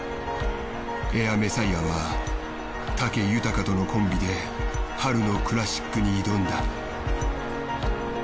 エアメサイアは武豊とのコンビで春のクラシックに挑んだ。